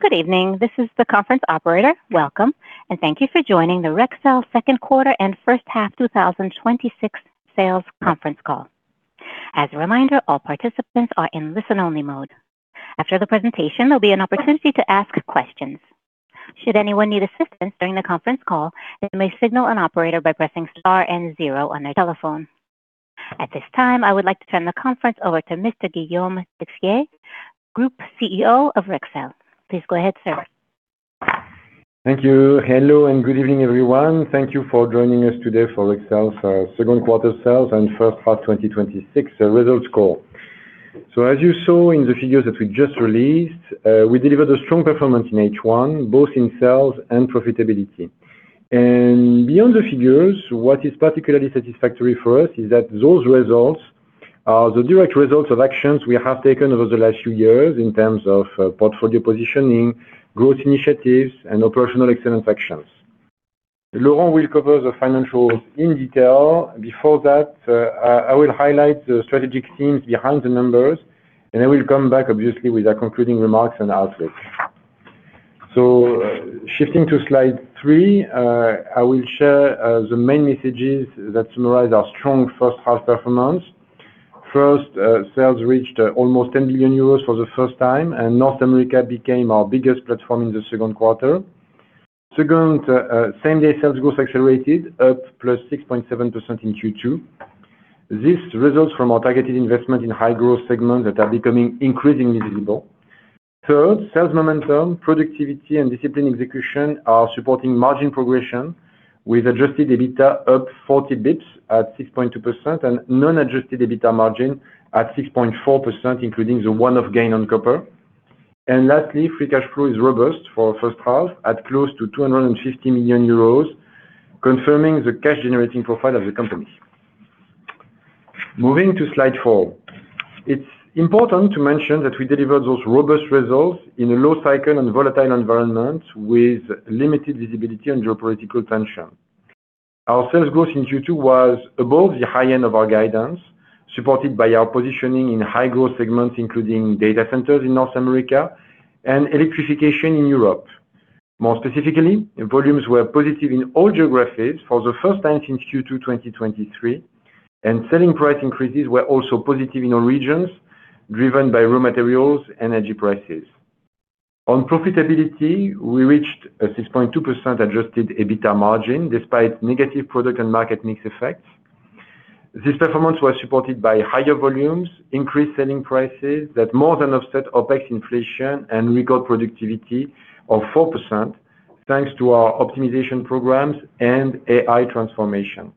Good evening. This is the conference operator. Welcome, and thank you for joining the Rexel second quarter and first half 2026 sales conference call. As a reminder, all participants are in listen-only mode. After the presentation, there'll be an opportunity to ask questions. Should anyone need assistance during the conference call, they may signal an operator by pressing star and zero on their telephone. At this time, I would like to turn the conference over to Mr. Guillaume Texier, Group CEO of Rexel. Please go ahead, sir. Thank you. Hello, and good evening, everyone. Thank you for joining us today for Rexel's second quarter sales and first half 2026 results call. As you saw in the figures that we just released, we delivered a strong performance in H1, both in sales and profitability. Beyond the figures, what is particularly satisfactory for us is that those results are the direct results of actions we have taken over the last few years in terms of portfolio positioning, growth initiatives, and operational excellence actions. Laurent will cover the financials in detail. Before that, I will highlight the strategic themes behind the numbers, I will come back obviously with our concluding remarks and outlook. Shifting to slide three, I will share the main messages that summarize our strong first half performance. First, sales reached almost 10 billion euros for the first time, North America became our biggest platform in the second quarter. Second, same-day sales growth accelerated, up +6.7% in Q2. This results from our targeted investment in high-growth segments that are becoming increasingly visible. Third, sales momentum, productivity, and disciplined execution are supporting margin progression, with adjusted EBITDA up 40 basis points at 6.2% and non-adjusted EBITDA margin at 6.4%, including the one-off gain on copper. Lastly, free cash flow is robust for our first half at close to 250 million euros, confirming the cash-generating profile of the company. Moving to slide four. It's important to mention that we delivered those robust results in a low cycle and volatile environment with limited visibility and geopolitical tension. Our sales growth in Q2 was above the high end of our guidance, supported by our positioning in high-growth segments, including data centers in North America and electrification in Europe. More specifically, volumes were positive in all geographies for the first time since Q2 2023, selling price increases were also positive in all regions, driven by raw materials energy prices. On profitability, we reached a 6.2% adjusted EBITA margin despite negative product and market mix effects. This performance was supported by higher volumes, increased selling prices that more than offset OpEx inflation and record productivity of 4%, thanks to our optimization programs and AI transformation.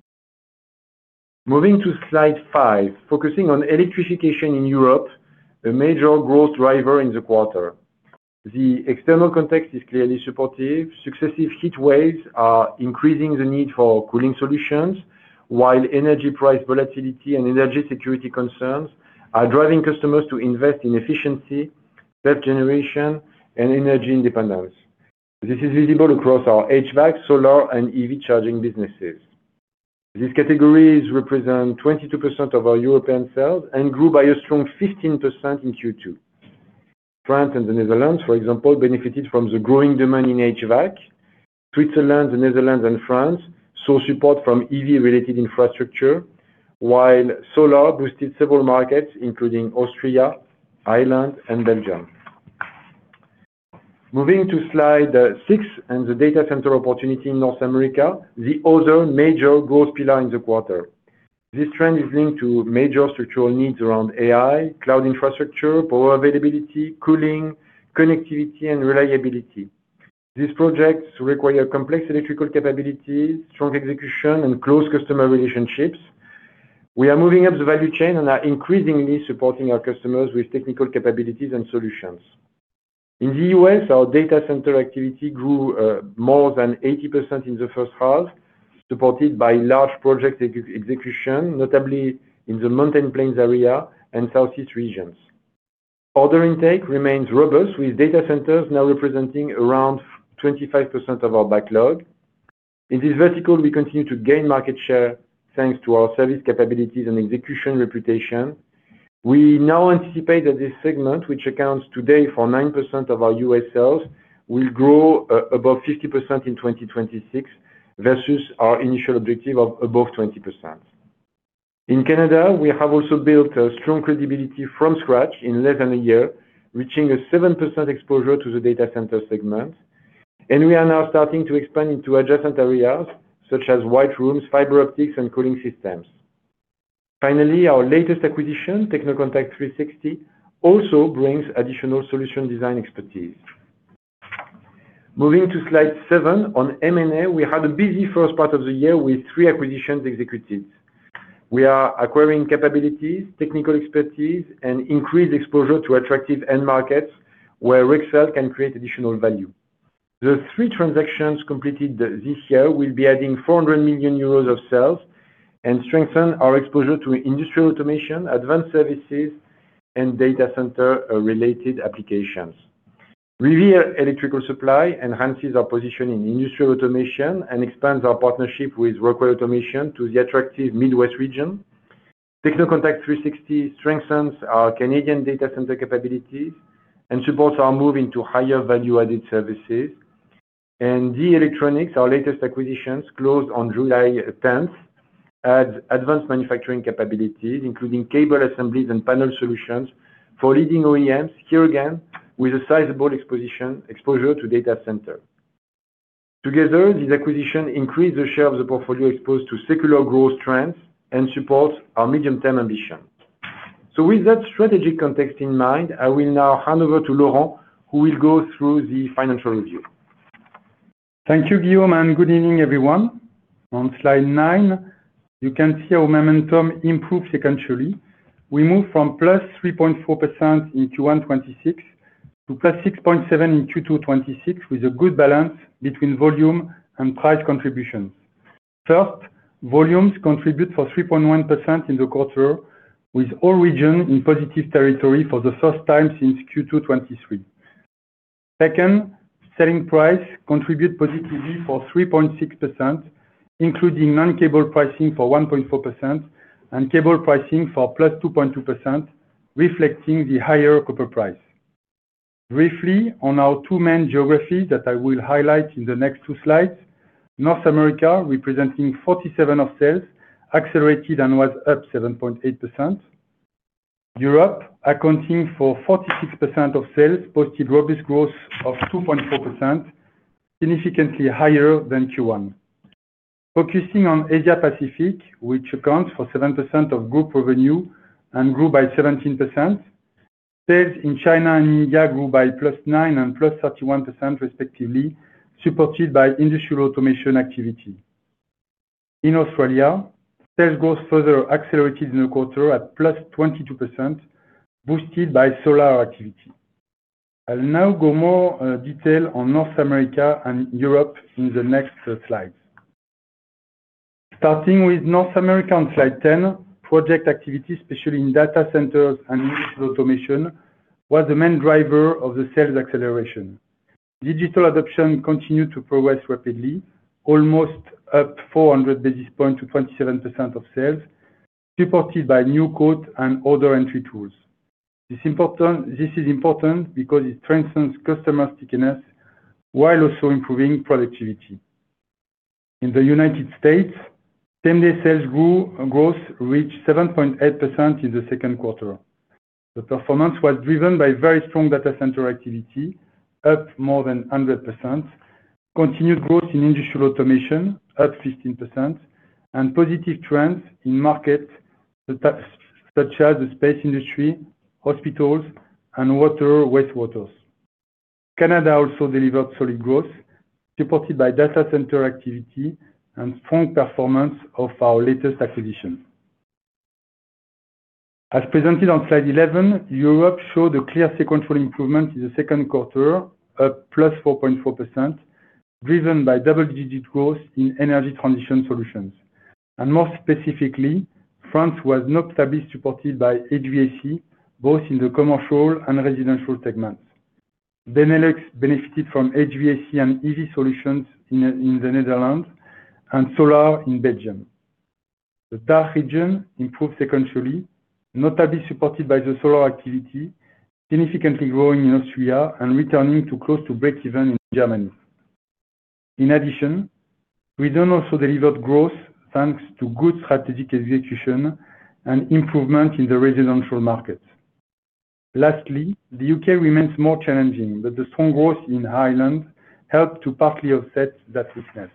Moving to slide five, focusing on electrification in Europe, a major growth driver in the quarter. The external context is clearly supportive. Successive heat waves are increasing the need for cooling solutions, while energy price volatility and energy security concerns are driving customers to invest in efficiency, self-generation, and energy independence. This is visible across our HVAC, solar, and EV charging businesses. These categories represent 22% of our European sales and grew by a strong 15% in Q2. France and the Netherlands, for example, benefited from the growing demand in HVAC. Switzerland, the Netherlands, and France saw support from EV-related infrastructure, while solar boosted several markets, including Austria, Ireland, and Belgium. Moving to slide six and the data center opportunity in North America, the other major growth pillar in the quarter. This trend is linked to major structural needs around AI, cloud infrastructure, power availability, cooling, connectivity, and reliability. These projects require complex electrical capabilities, strong execution, and close customer relationships. We are moving up the value chain and are increasingly supporting our customers with technical capabilities and solutions. In the U.S., our data center activity grew more than 80% in the first half, supported by large project execution, notably in the Mountain Plains area and Southeast regions. Order intake remains robust, with data centers now representing around 25% of our backlog. In this vertical, we continue to gain market share thanks to our service capabilities and execution reputation. We now anticipate that this segment, which accounts today for 9% of our U.S. sales, will grow above 50% in 2026 versus our initial objective of above 20%. In Canada, we have also built a strong credibility from scratch in less than a year, reaching a 7% exposure to the data center segment. We are now starting to expand into adjacent areas such as white rooms, fiber optics, and cooling systems. Finally, our latest acquisition, TC 360, also brings additional solution design expertise. Moving to slide seven on M&A, we had a busy first part of the year with three acquisitions executed. We are acquiring capabilities, technical expertise, and increased exposure to attractive end markets where Rexel can create additional value. The three transactions completed this year will be adding 400 million euros of sales and strengthen our exposure to industrial automation, advanced services, and data center related applications. Revere Electrical Supply enhances our position in industrial automation and expands our partnership with Rockwell Automation to the attractive Midwest region. TC 360 strengthens our Canadian data center capabilities and supports our move into higher value-added services. DEE Electronics, our latest acquisitions closed on July 10th, adds advanced manufacturing capabilities, including cable assemblies and panel solutions for leading OEMs, here again, with a sizable exposure to data center. Together, these acquisitions increase the share of the portfolio exposed to secular growth trends and support our medium-term ambition. With that strategic context in mind, I will now hand over to Laurent, who will go through the financial review. Thank you, Guillaume, and good evening, everyone. On slide nine, you can see our momentum improved sequentially. We moved from +3.4% in Q1 2026 to +6.7% in Q2 2026, with a good balance between volume and price contribution. First, volumes contribute for 3.1% in the quarter, with all region in positive territory for the first time since Q2 2023. Second, selling price contribute positively for 3.6%, including non-cable pricing for 1.4% and cable pricing for +2.2%, reflecting the higher copper price. Briefly, on our two main geographies that I will highlight in the next two slides. North America representing 47% of sales, accelerated and was up 7.8%. Europe, accounting for 46% of sales, posted robust growth of 2.4%, significantly higher than Q1. Focusing on Asia Pacific, which accounts for 7% of group revenue and grew by 17%. Sales in China and India grew by +9% and +31% respectively, supported by industrial automation activity. In Australia, sales growth further accelerated in the quarter at +22%, boosted by solar activity. I'll now go more detail on North America and Europe in the next slides. Starting with North America on slide 10, project activity, especially in data centers and industrial automation, was the main driver of the sales acceleration. Digital adoption continued to progress rapidly, almost up 400 basis points to 27% of sales, supported by new code and order entry tools. This is important because it strengthens customer stickiness while also improving productivity. In the U.S., same-day sales growth reached 7.8% in the second quarter. The performance was driven by very strong data center activity, up more than 100%, continued growth in industrial automation, up 15%, and positive trends in markets such as the space industry, hospitals, and wastewater. Canada also delivered solid growth, supported by data center activity and strong performance of our latest acquisition. As presented on slide 11, Europe showed a clear sequential improvement in the second quarter, up +4.4%, driven by double-digit growth in energy transition solutions. More specifically, France was notably supported by HVAC, both in the commercial and residential segments. Benelux benefited from HVAC and EV solutions in the Netherlands and solar in Belgium. The DACH region improved sequentially, notably supported by the solar activity, significantly growing in Austria and returning to close to break even in Germany. In addition, we then also delivered growth thanks to good strategic execution and improvement in the residential market. Lastly, the U.K. remains more challenging, but the strong growth in Ireland helped to partly offset that weakness.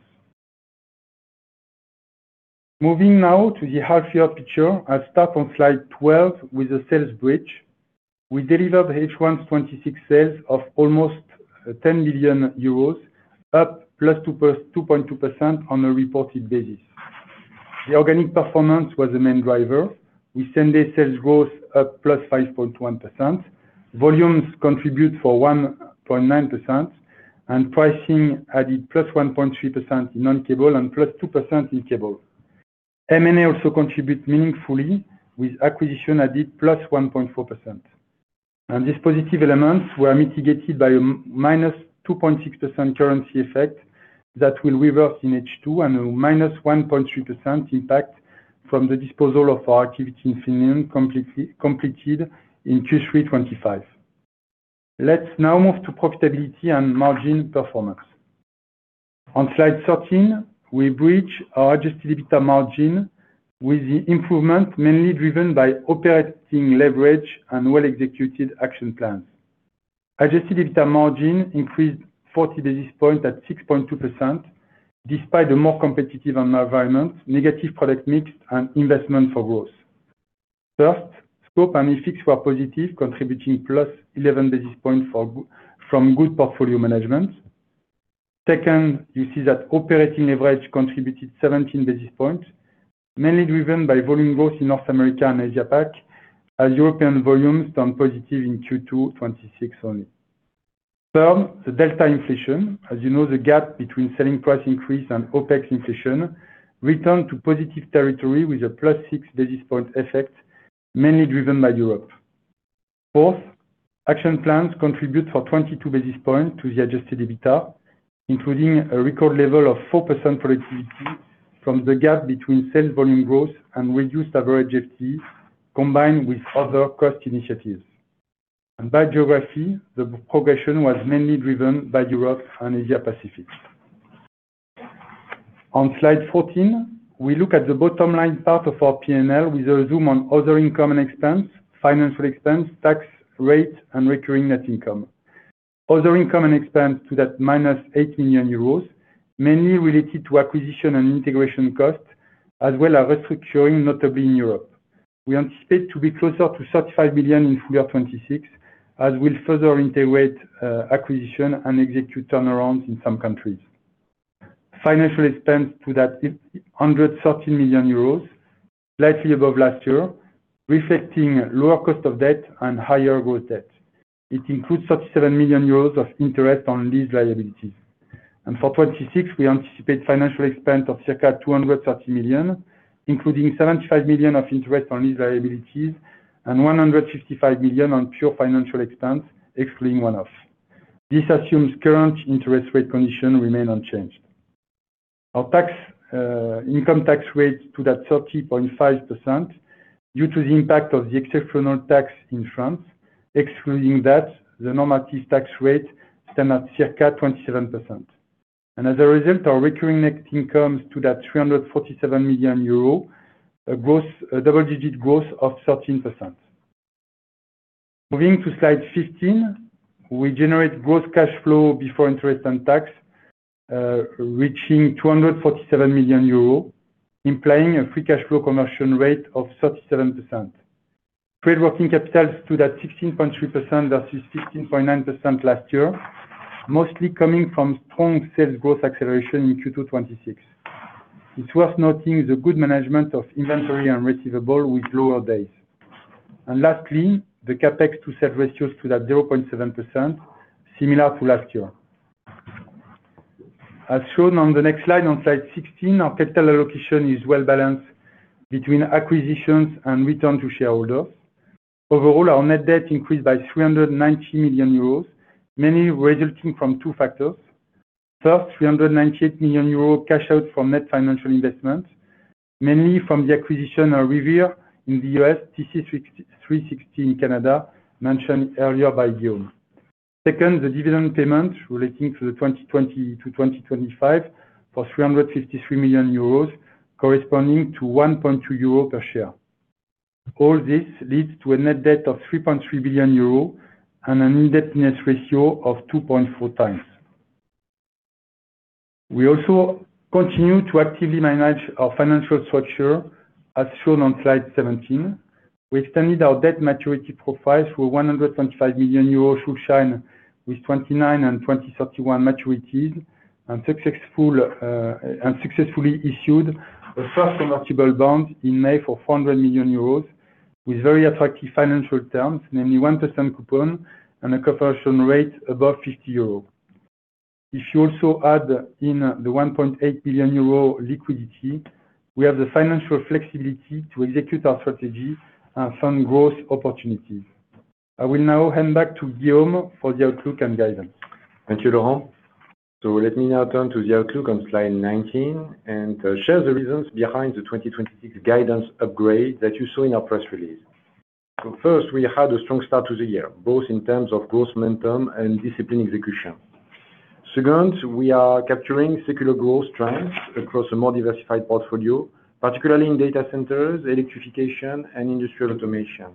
Moving now to the half-year picture. I'll start on slide 12 with the sales bridge. We delivered H1 2026 sales of almost 10 million euros, up +2.2% on a reported basis. The organic performance was the main driver, with same-day sales growth up +5.1%. Volumes contribute for 1.9%, pricing added +1.3% in non-cable and +2% in cable. M&A also contribute meaningfully with acquisition added +1.4%. These positive elements were mitigated by a -2.6% currency effect that will reverse in H2 and a -1.3% impact from the disposal of our activity in Finland completed in Q3 2025. Let's now move to profitability and margin performance. On slide 13, we bridge our adjusted EBITA margin with the improvement mainly driven by operating leverage and well-executed action plans. Adjusted EBITA margin increased 40 basis points at 6.2%, despite a more competitive environment, negative product mix and investment for growth. First, scope and effects were positive, contributing +11 basis points from good portfolio management. Second, operating leverage contributed 17 basis points, mainly driven by volume growth in North America and Asia Pac, as European volumes turned positive in Q2 2026 only. Third, the delta inflation, as you know, the gap between selling price increase and OpEx inflation returned to positive territory with a +6 basis points effect, mainly driven by Europe. Fourth, action plans contribute for 22 basis points to the adjusted EBITA, including a record level of 4% productivity from the gap between sales volume growth and reduced average FTEs, combined with other cost initiatives. By geography, the progression was mainly driven by Europe and Asia Pacific. On slide 14, we look at the bottom line part of our P&L with a zoom on other income and expense, financial expense, tax rate, and recurring net income. Other income and expense totaled -8 million euros, mainly related to acquisition and integration costs, as well as restructuring, notably in Europe. We anticipate to be closer to 35 million in full-year 2026, as we will further integrate acquisition and execute turnarounds in some countries. Financial expense totaled 130 million euros, slightly above last year, reflecting lower cost of debt and higher gross debt. It includes 37 million euros of interest on lease liabilities. For 2026, we anticipate financial expense of circa 230 million, including 75 million of interest on lease liabilities and 155 million on pure financial expense, excluding one-off. This assumes current interest rate condition remain unchanged. Our income tax rate totaled 30.5% due to the impact of the exceptional tax in France. Excluding that, the normative tax rate stand at circa 27%. As a result, our recurring net income totaled 347 million euro, a double-digit growth of 13%. Moving to slide 15, we generate gross cash flow before interest and tax, reaching 247 million euros, implying a free cash flow conversion rate of 37%. Trade working capital stood at 16.3%, versus 16.9% last year, mostly coming from strong sales growth acceleration in Q2 2026. It is worth noting the good management of inventory and receivable with lower days. Lastly, the CapEx to sales ratio totaled 0.7%, similar to last year. As shown on the next slide, on slide 16, our capital allocation is well-balanced between acquisitions and return to shareholders. Overall, our net debt increased by 390 million euros, mainly resulting from two factors. First, 398 million euros cash out from net financial investment, mainly from the acquisition of Revere in the U.S., TC 360 in Canada, mentioned earlier by Guillaume. Second, the dividend payment relating to the 2020-2025 for 353 million euros, corresponding to 1.2 euro per share. All this leads to a net debt of 3.3 billion euros and an indebtedness ratio of 2.4x. We also continue to actively manage our financial structure, as shown on slide 17. We extended our debt maturity profile through 125 million euros through Schuldschein, with 2029 and 2031 maturities, and successfully issued the first convertible bond in May for 400 million euros with very attractive financial terms, namely 1% coupon and a conversion rate above 50 euro. If you also add in the 1.8 billion euro liquidity, we have the financial flexibility to execute our strategy and fund growth opportunities. I will now hand back to Guillaume for the outlook and guidance. Thank you, Laurent. Let me now turn to the outlook on slide 19 and share the reasons behind the 2026 guidance upgrade that you saw in our press release. First, we had a strong start to the year, both in terms of growth momentum and disciplined execution. Second, we are capturing secular growth trends across a more diversified portfolio, particularly in data centers, electrification, and industrial automation.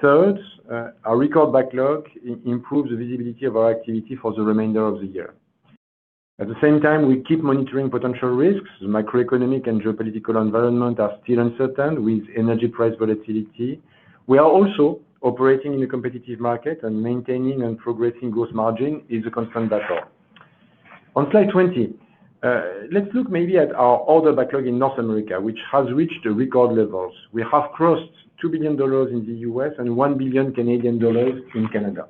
Third, our record backlog improves the visibility of our activity for the remainder of the year. At the same time, we keep monitoring potential risks. The macroeconomic and geopolitical environment are still uncertain with energy price volatility. We are also operating in a competitive market, and maintaining and progressing growth margin is a constant battle. On slide 20, let's look maybe at our order backlog in North America, which has reached the record levels. We have crossed $2 billion in the U.S. and 1 billion Canadian dollars in Canada.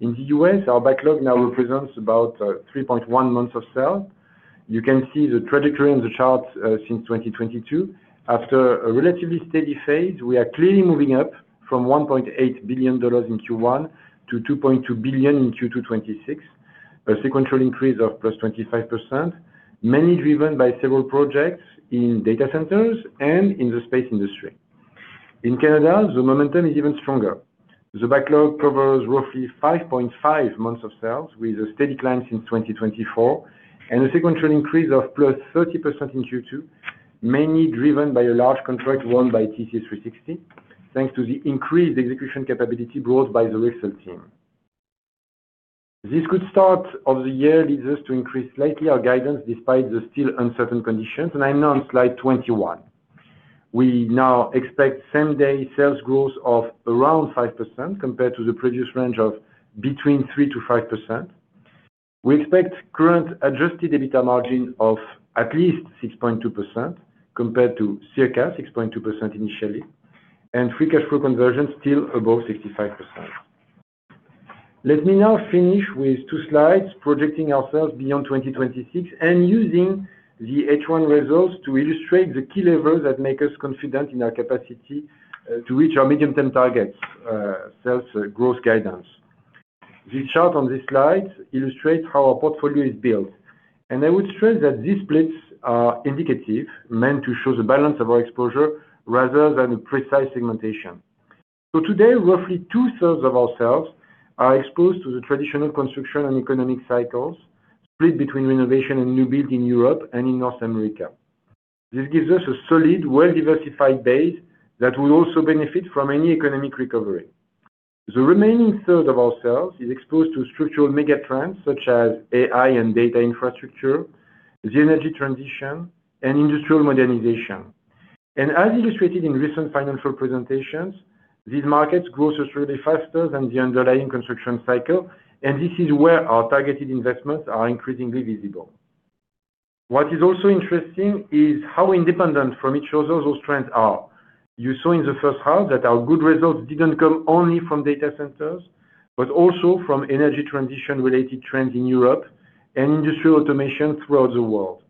In the U.S., our backlog now represents about 3.1 months of sale. You can see the trajectory in the chart since 2022. After a relatively steady phase, we are clearly moving up from $1.8 billion in Q1 to $2.2 billion in Q2 2026, a sequential increase of +25%, mainly driven by several projects in data centers and in the space industry. In Canada, the momentum is even stronger. The backlog covers roughly 5.5 months of sales, with a steady climb since 2024 and a sequential increase of +30% in Q2, mainly driven by a large contract won by TC 360 thanks to the increased execution capability brought by the Rexel team. This good start of the year leads us to increase slightly our guidance despite the still uncertain conditions, I am now on slide 21. We now expect same-day sales growth of around 5%, compared to the previous range of between 3%-5%. We expect current adjusted EBITDA margin of at least 6.2%, compared to circa 6.2% initially, and free cash flow conversion still above 65%. Let me now finish with two slides projecting ourselves beyond 2026 and using the H1 results to illustrate the key levels that make us confident in our capacity to reach our medium-term targets, sales growth guidance. The chart on this slide illustrates how our portfolio is built. I would stress that these splits are indicative, meant to show the balance of our exposure rather than a precise segmentation. Today, roughly two-thirds of our sales are exposed to the traditional construction and economic cycles, split between renovation and new build in Europe and in North America. This gives us a solid, well-diversified base that will also benefit from any economic recovery. The remaining third of our sales is exposed to structural mega trends such as AI and data infrastructure, the energy transition, and industrial modernization. As illustrated in recent financial presentations, these markets grow substantially faster than the underlying construction cycle, and this is where our targeted investments are increasingly visible. What is also interesting is how independent from each other those trends are. You saw in the first half that our good results did not come only from data centers, but also from energy transition-related trends in Europe and industrial automation throughout the world.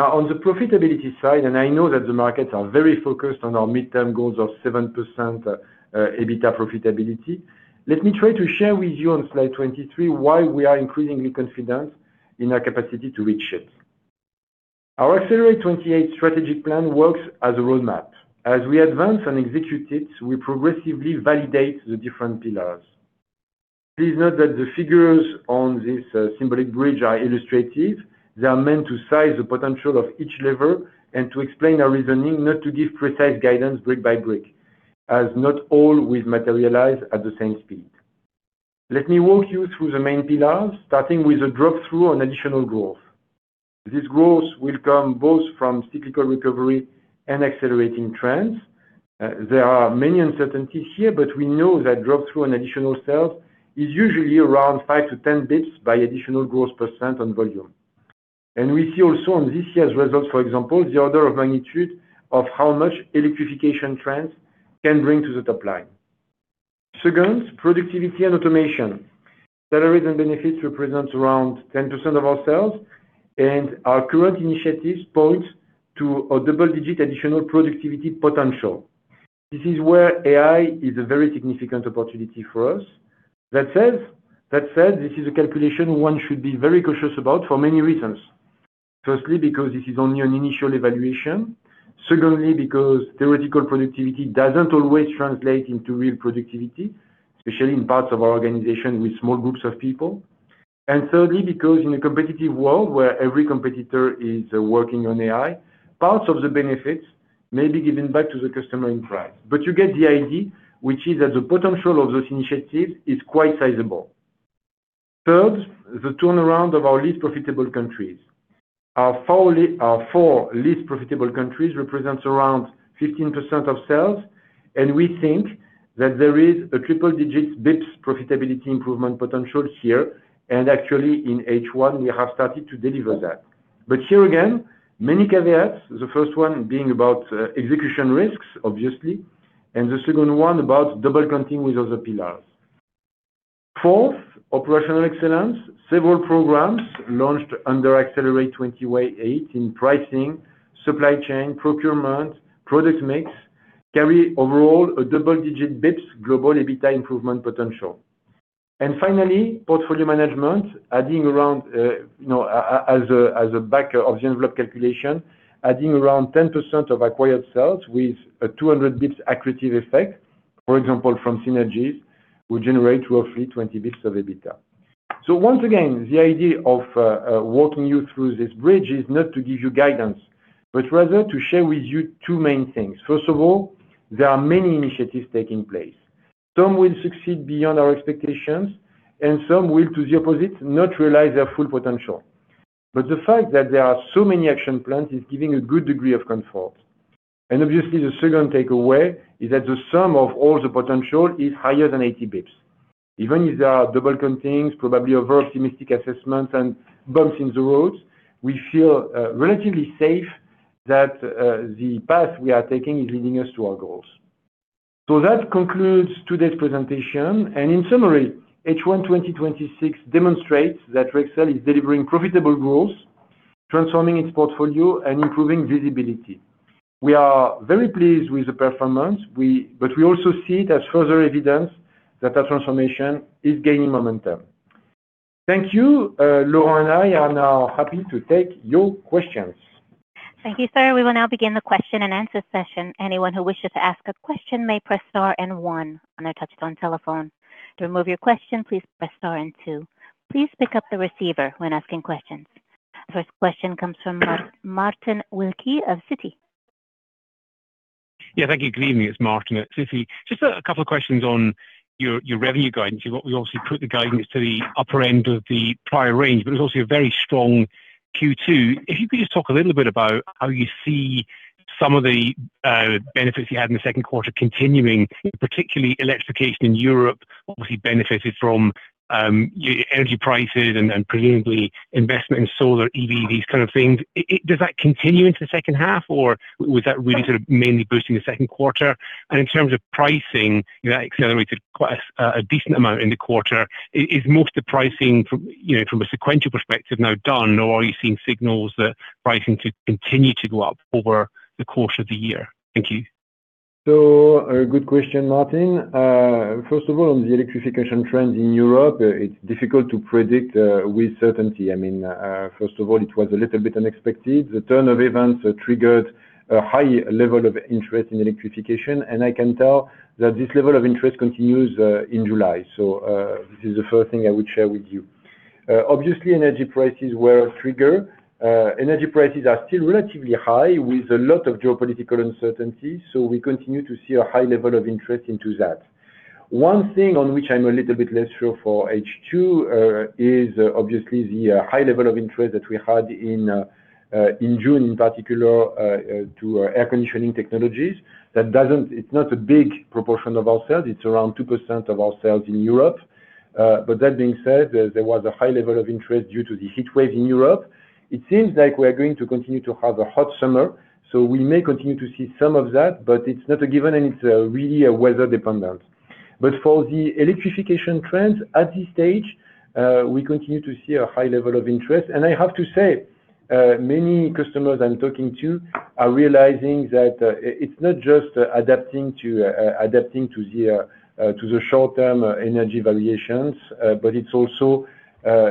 On the profitability side, I know that the markets are very focused on our midterm goals of 7% EBITA profitability, let me try to share with you on slide 23 why we are increasingly confident in our capacity to reach it. Our Accelerate '28 strategic plan works as a roadmap. As we advance and execute it, we progressively validate the different pillars. Please note that the figures on this symbolic bridge are illustrative. They are meant to size the potential of each level and to explain our reasoning, not to give precise guidance brick by brick, as not all will materialize at the same speed. Let me walk you through the main pillars, starting with the drop-through on additional growth. This growth will come both from cyclical recovery and accelerating trends. There are many uncertainties here, we know that drop-through on additional sales is usually around 5-10 bps by additional growth percent on volume. We see also on this year's results, for example, the order of magnitude of how much electrification trends can bring to the top line. Second, productivity and automation. Salaries and benefits represent around 10% of our sales, and our current initiatives point to a double-digit additional productivity potential. This is where AI is a very significant opportunity for us. That said, this is a calculation one should be very cautious about for many reasons. Because this is only an initial evaluation. Because theoretical productivity does not always translate into real productivity, especially in parts of our organization with small groups of people. And because in a competitive world where every competitor is working on AI, parts of the benefits may be given back to the customer in price. But you get the idea, which is that the potential of those initiatives is quite sizable. Third, the turnaround of our least profitable countries. Our four least profitable countries represent around 15% of sales, and we think that there is a triple-digit bps profitability improvement potential here. Actually, in H1, we have started to deliver that. Here again, many caveats, the first one being about execution risks, obviously, and the second one about double counting with other pillars. Fourth, operational excellence. Several programs launched under Accelerate '28 in pricing, supply chain, procurement, product mix, carry overall a double-digit bps global EBITA improvement potential. Finally, portfolio management, adding around, as a back of the envelope calculation, adding around 10% of acquired sales with a 200 basis points accretive effect, for example, from synergies, will generate roughly 20 basis points of EBITDA. Once again, the idea of walking you through this bridge is not to give you guidance, but rather to share with you two main things. First of all, there are many initiatives taking place. Some will succeed beyond our expectations, and some will, to the opposite, not realize their full potential. The fact that there are so many action plans is giving a good degree of comfort. Obviously, the second takeaway is that the sum of all the potential is higher than 80 basis point. Even if there are double countings, probably overoptimistic assessments, and bumps in the road, we feel relatively safe that the path we are taking is leading us to our goals. That concludes today's presentation. In summary, H1 2026 demonstrates that Rexel is delivering profitable growth, transforming its portfolio, and improving visibility. We are very pleased with the performance, but we also see it as further evidence that our transformation is gaining momentum. Thank you. Laurent and I are now happy to take your questions. Thank you, sir. We will now begin the question-and-answer session. Anyone who wishes to ask a question may press star and one on their touch-tone telephone. To remove your question, please press star and two. Please pick up the receiver when asking questions. First question comes from Martin Wilkie of Citigroup. Yeah, thank you. Good evening. It's Martin at Citigroup. Just a couple of questions on your revenue guidance. You obviously put the guidance to the upper end of the prior range, but it was also a very strong Q2. If you could just talk a little bit about how you see some of the. benefits you had in the second quarter continuing, particularly electrification in Europe, obviously benefited from energy prices and presumably investment in solar, EV, these kind of things. Does that continue into the second half or was that really sort of mainly boosting the second quarter? In terms of pricing, that accelerated quite a decent amount in the quarter. Is most of the pricing from a sequential perspective now done, or are you seeing signals that pricing could continue to go up over the course of the year? Thank you. A good question, Martin. First of all, on the electrification trends in Europe, it's difficult to predict with certainty. First of all, it was a little bit unexpected. The turn of events triggered a high level of interest in electrification, and I can tell that this level of interest continues in July. This is the first thing I would share with you. Obviously, energy prices were a trigger. Energy prices are still relatively high with a lot of geopolitical uncertainty, we continue to see a high level of interest into that. One thing on which I'm a little bit less sure for H2, is obviously the high level of interest that we had in June, in particular to air conditioning technologies. It's not a big proportion of our sales. It's around 2% of our sales in Europe. That being said, there was a high level of interest due to the heat wave in Europe. It seems like we're going to continue to have a hot summer, we may continue to see some of that, it's not a given and it's really weather dependent. For the electrification trends at this stage, we continue to see a high level of interest. I have to say, many customers I'm talking to are realizing that it's not just adapting to the short-term energy variations, it's also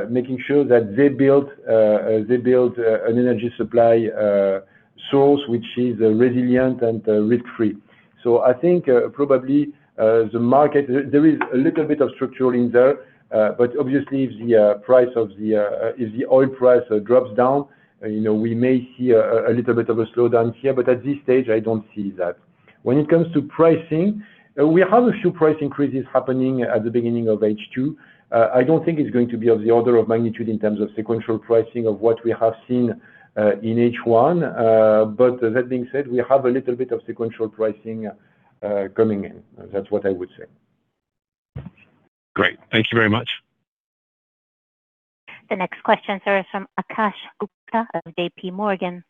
making sure that they build an energy supply source which is resilient and risk-free. I think probably the market, there is a little bit of structure in there. Obviously if the oil price drops down, we may see a little bit of a slowdown here, at this stage, I don't see that. When it comes to pricing, we have a few price increases happening at the beginning of H2. I don't think it's going to be of the order of magnitude in terms of sequential pricing of what we have seen in H1. That being said, we have a little bit of sequential pricing coming in. That's what I would say. Great. Thank you very much. The next question, sir, is from Akash Gupta of JPMorgan.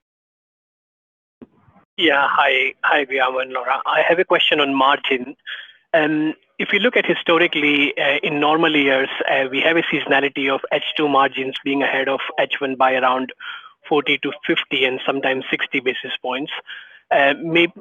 Yeah. Hi, Guillaume and Laurent. I have a question on margin. If you look at historically, in normal years, we have a seasonality of H2 margins being ahead of H1 by around 40-50 and sometimes 60 basis points. Maybe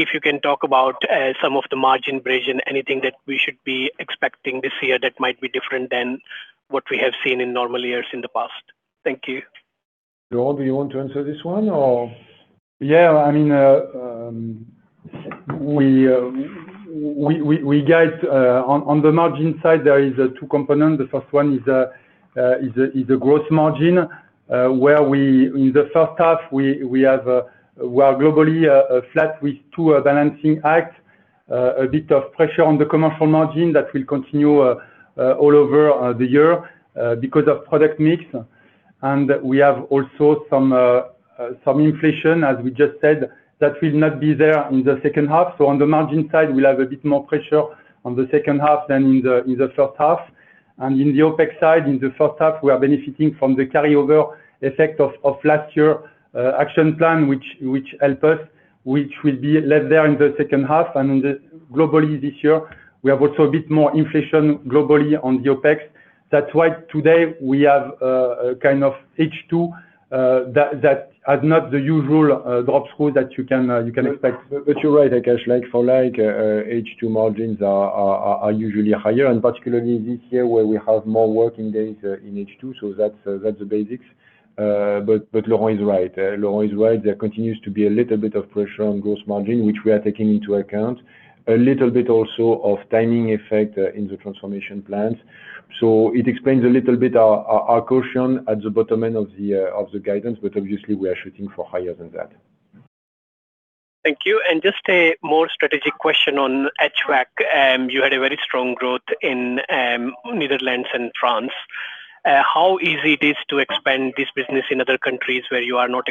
if you can talk about some of the margin bridge and anything that we should be expecting this year that might be different than what we have seen in normal years in the past. Thank you. Laurent, do you want to answer this one or? On the margin side, there is two components. The first one is the gross margin, where in the first half, we are globally flat with two balancing acts. A bit of pressure on the commercial margin that will continue all over the year because of product mix. We have also some inflation, as we just said, that will not be there in the second half. On the margin side, we'll have a bit more pressure on the second half than in the first half. In the OpEx side, in the first half, we are benefiting from the carryover effect of last year action plan, which help us, which will be less there in the second half. Globally this year, we have also a bit more inflation globally on the OpEx. That's why today we have kind of H2 that has not the usual drop-through that you can expect. You're right, Akash. Like for like, H2 margins are usually higher, and particularly this year where we have more working days in H2, that's the basics. Laurent is right. There continues to be a little bit of pressure on gross margin, which we are taking into account. A little bit also of timing effect in the transformation plans. It explains a little bit our caution at the bottom end of the guidance, but obviously we are shooting for higher than that. Thank you. Just a more strategic question on HVAC. You had a very strong growth in Netherlands and France. How easy it is to expand this business in other countries where you are not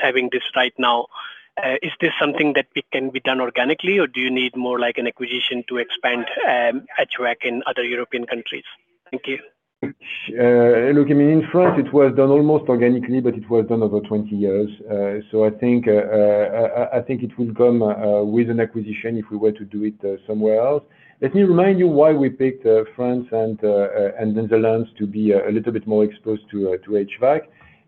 having this right now? Is this something that can be done organically, or do you need more like an acquisition to expand HVAC in other European countries? Thank you. Look, in France it was done almost organically, it was done over 20 years. I think it will come with an acquisition if we were to do it somewhere else. Let me remind you why we picked France and Netherlands to be a little bit more exposed to HVAC.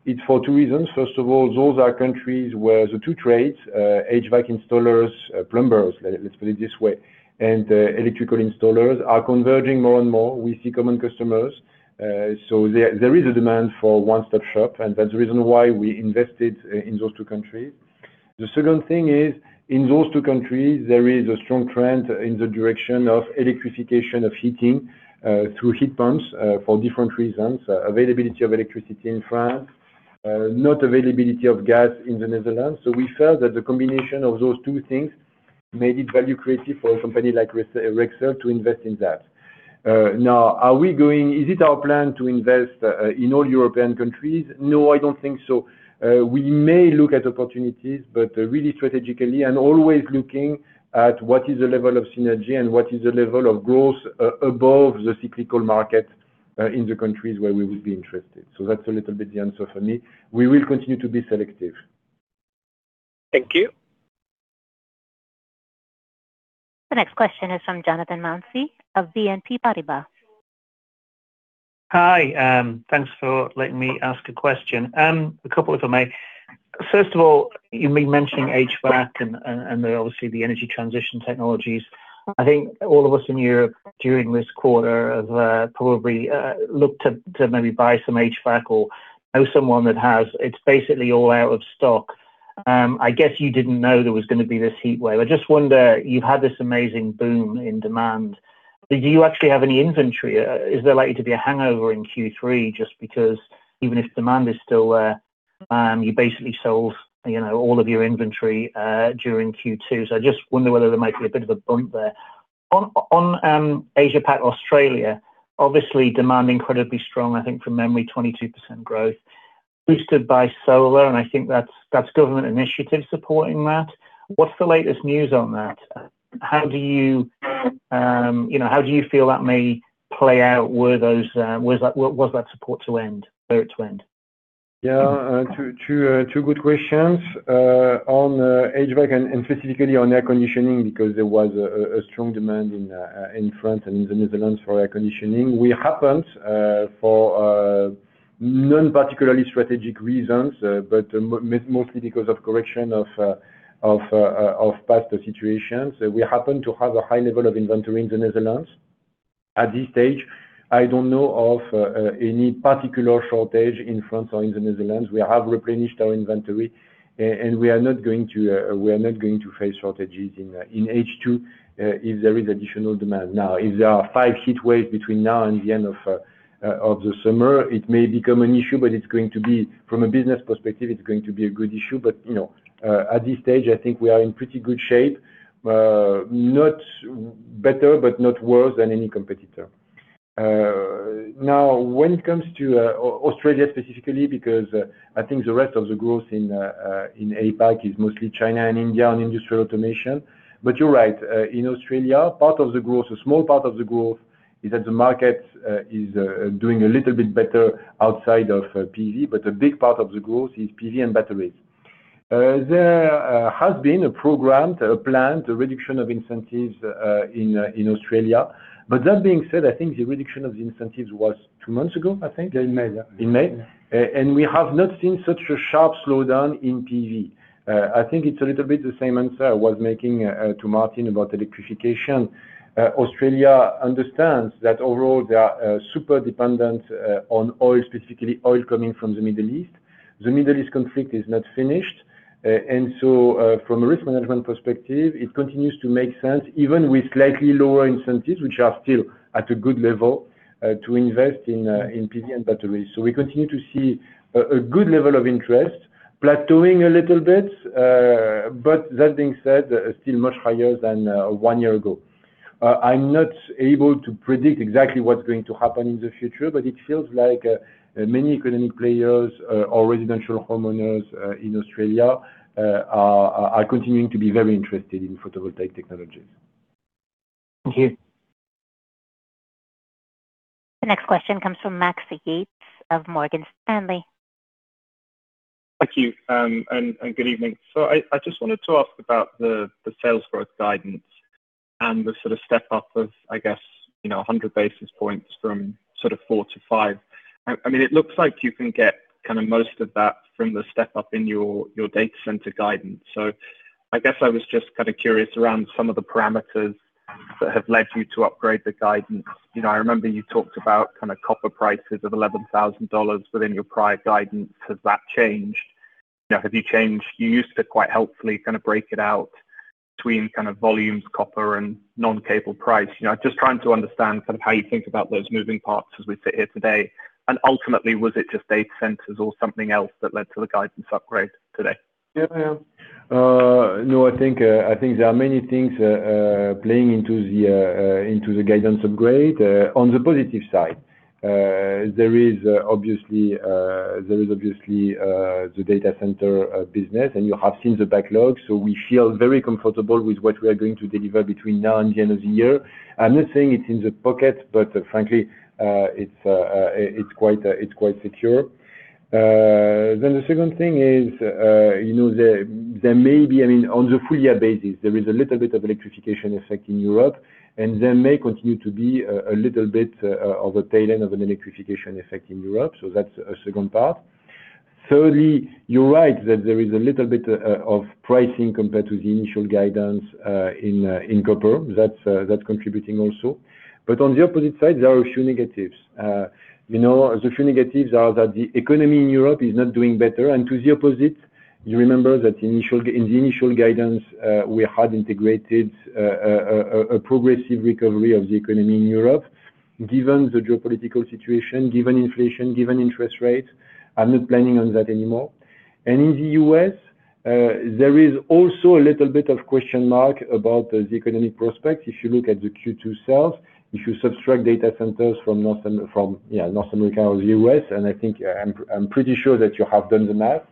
It's for two reasons. First of all, those are countries where the two trades, HVAC installers, plumbers, let's put it this way, and electrical installers are converging more and more. We see common customers. There is a demand for one-stop shop, and that's the reason why we invested in those two countries. The second thing is, in those two countries, there is a strong trend in the direction of electrification of heating through heat pumps for different reasons. Availability of electricity in France. Not availability of gas in the Netherlands. We felt that the combination of those two things made it value creative for a company like Rexel to invest in that. Now, is it our plan to invest in all European countries? No, I don't think so. We may look at opportunities, really strategically and always looking at what is the level of synergy and what is the level of growth, above the cyclical market, in the countries where we would be interested. That's a little bit the answer from me. We will continue to be selective. Thank you. The next question is from Jonathan Mounsey of BNP Paribas. Hi, thanks for letting me ask a question. A couple if I may. First of all, you've been mentioning HVAC and obviously the energy transition technologies. I think all of us in Europe during this quarter have probably looked to maybe buy some HVAC or know someone that has. It's basically all out of stock. I guess you didn't know there was going to be this heat wave. I just wonder, you've had this amazing boom in demand. Do you actually have any inventory? Is there likely to be a hangover in Q3 just because even if demand is still there, you basically sold all of your inventory during Q2? I just wonder whether there might be a bit of a bump there. On Asia-Pac Australia, obviously demand incredibly strong, I think from memory, 22% growth boosted by solar, and I think that's government initiatives supporting that. What's the latest news on that? How do you feel that may play out were that support to end? Yeah. Two good questions. On HVAC and specifically on air conditioning because there was a strong demand in France and in the Netherlands for air conditioning. We happened, for non-particularly strategic reasons, but mostly because of correction of past situations. We happen to have a high level of inventory in the Netherlands. At this stage, I don't know of any particular shortage in France or in the Netherlands. We have replenished our inventory, and we are not going to face shortages in H2, if there is additional demand. Now, if there are five heat waves between now and the end of the summer, it may become an issue. From a business perspective, it's going to be a good issue. At this stage, I think we are in pretty good shape. Not better, but not worse than any competitor. Now, when it comes to Australia specifically, because I think the rest of the growth in APAC is mostly China and India and industrial automation. You're right, in Australia, a small part of the growth is that the market is doing a little bit better outside of PV. A big part of the growth is PV and batteries. There has been a program, a planned reduction of incentives in Australia. That being said, I think the reduction of the incentives was two months ago, I think. In May. In May. We have not seen such a sharp slowdown in PV. I think it's a little bit the same answer I was making to Martin about electrification. Australia understands that overall they are super dependent on oil, specifically oil coming from the Middle East. The Middle East conflict is not finished. From a risk management perspective, it continues to make sense, even with slightly lower incentives, which are still at a good level, to invest in PV and batteries. We continue to see a good level of interest plateauing a little bit. That being said, still much higher than one year ago. I'm not able to predict exactly what's going to happen in the future, but it feels like many economic players or residential homeowners in Australia are continuing to be very interested in photovoltaic technologies. Thank you. The next question comes from Max Yates of Morgan Stanley. Thank you, and good evening. I just wanted to ask about the sales growth guidance and the sort of step up of, I guess, 100 basis points from sort of 4%- 5%. It looks like you can get kind of most of that from the step up in your data center guidance. I guess I was just kind of curious around some of the parameters that have led you to upgrade the guidance. I remember you talked about kind of copper prices of $11,000 within your prior guidance. Has that changed? Have you changed? You used to quite helpfully kind of break it out between kind of volumes, copper and non-cable price. Just trying to understand sort of how you think about those moving parts as we sit here today. Ultimately, was it just data centers or something else that led to the guidance upgrade today? Yeah. No, I think there are many things playing into the guidance upgrade. On the positive side, there is obviously the data center business, and you have seen the backlog. We feel very comfortable with what we are going to deliver between now and the end of the year. I'm not saying it's in the pocket, but frankly, it's quite secure. The second thing is, there may be, on the full-year basis, there is a little bit of electrification effect in Europe, and there may continue to be a little bit of a tail end of an electrification effect in Europe. That's a second part. Thirdly, you're right that there is a little bit of pricing compared to the initial guidance, in copper. That's contributing also. On the opposite side, there are a few negatives. The few negatives are that the economy in Europe is not doing better, and to the opposite. You remember that in the initial guidance, we had integrated a progressive recovery of the economy in Europe. Given the geopolitical situation, given inflation, given interest rates, I'm not planning on that anymore. In the U.S., there is also a little bit of question mark about the economic prospects. If you look at the Q2 sales, if you subtract data centers from North America or the U.S., and I think I'm pretty sure that you have done the math.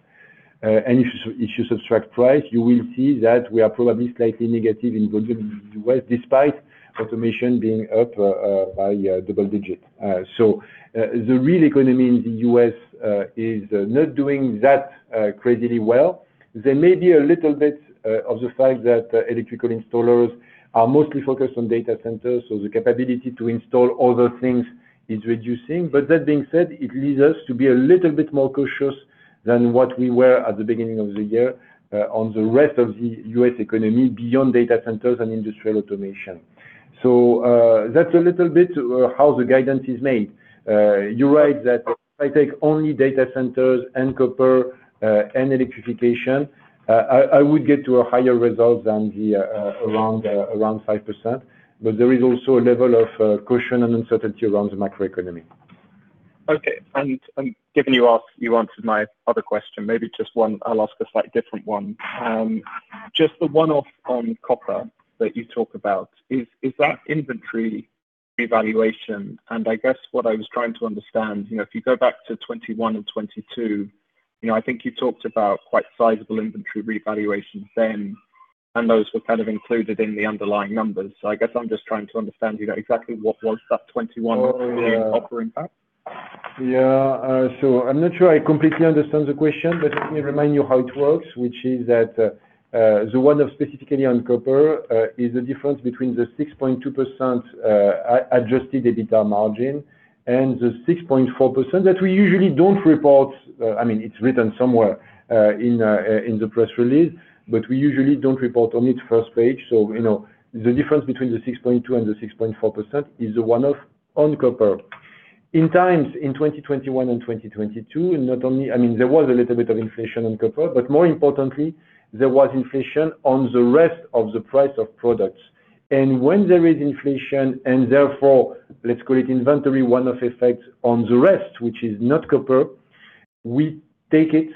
If you subtract price, you will see that we are probably slightly negative in volume in the U.S., despite automation being up by double-digit. The real economy in the U.S. is not doing that crazily well. There may be a little bit of the fact that electrical installers are mostly focused on data centers, the capability to install other things is reducing. That being said, it leads us to be a little bit more cautious than what we were at the beginning of the year on the rest of the U.S. economy beyond data centers and industrial automation. That's a little bit how the guidance is made. You're right that if I take only data centers and copper, and electrification, I would get to a higher result than the around 5%. There is also a level of caution and uncertainty around the macroeconomy. Okay. Given you answered my other question, maybe just one, I'll ask a slightly different one. Just the one-off on copper that you talk about, is that inventory revaluation. I guess what I was trying to understand, if you go back to 2021 and 2022, I think you talked about quite sizable inventory revaluations then, and those were kind of included in the underlying numbers. I guess I'm just trying to understand, exactly what was that 2021 copper impact? Yeah. I'm not sure I completely understand the question, but let me remind you how it works, which is that the one-off specifically on copper is the difference between the 6.2% adjusted EBITDA margin and the 6.4% that we usually don't report. It's written somewhere in the press release, but we usually don't report on it first page. The difference between the 6.2 and the 6.4% is the one-off on copper. In times, in 2021 and 2022, there was a little bit of inflation on copper, but more importantly, there was inflation on the rest of the price of products. When there is inflation, and therefore, let's call it inventory, one-off effects on the rest, which is not copper, we take it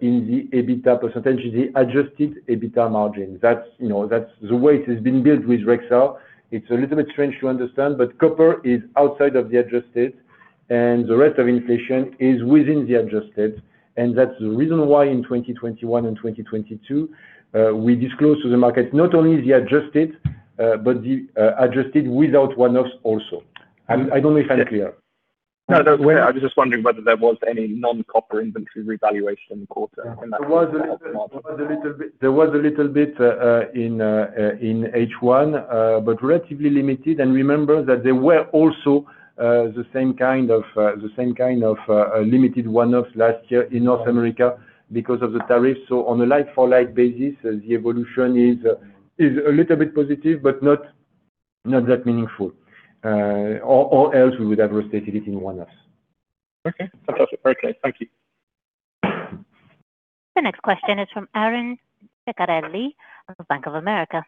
in the EBITDA percentage, the adjusted EBITDA margin. That's the way it has been built with Rexel. It's a little bit strange to understand, copper is outside of the adjusted, and the rest of inflation is within the adjusted. That's the reason why in 2021 and 2022, we disclose to the market not only the adjusted, but the adjusted without one-offs also. I don't know if I'm clear. No, that's clear. I was just wondering whether there was any non-copper inventory revaluation quarter. There was a little bit in H1 but relatively limited. Remember that there were also the same kind of limited one-offs last year in North America because of the tariffs. On a like-for-like basis, the evolution is a little bit positive, but not that meaningful. Else we would have restated it in one-offs. Okay. Fantastic. Okay. Thank you. The next question is from Aron Ceccarelli of Bank of America.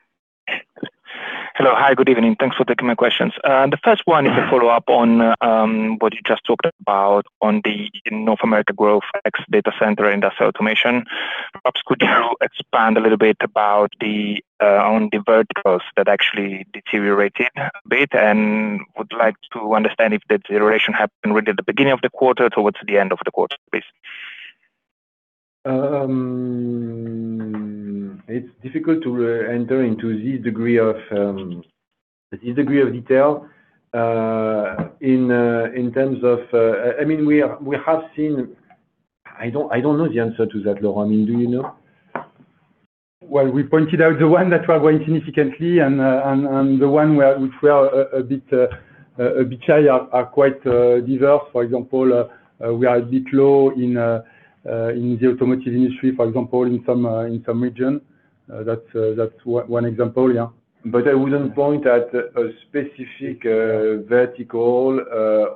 Hello. Hi, good evening. Thanks for taking my questions. The first one is a follow-up on what you just talked about on the North America growth ex data center industrial automation. Perhaps could you expand a little bit on the verticals that actually deteriorated a bit? Would like to understand if the deterioration happened really at the beginning of the quarter towards the end of the quarter, please. It's difficult to enter into this degree of detail. I don't know the answer to that, Laurent. Do you know? Well, we pointed out the one that were going significantly and the one which were a bit are quite diverse. For example, we are a bit low in the automotive industry, for example, in some region. That's one example, yeah. I wouldn't point at a specific vertical.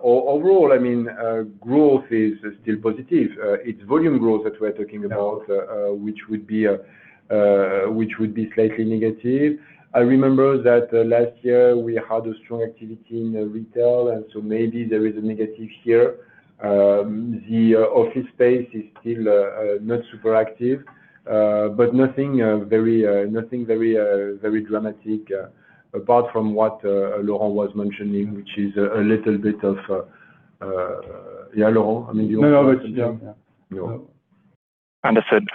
Overall, growth is still positive. It's volume growth that we're talking about which would be slightly negative. I remember that last year we had a strong activity in retail, and so maybe there is a negative here. The office space is still not super active but nothing very dramatic apart from what Laurent was mentioning. Yeah, Laurent? No, yeah. You are. Understood.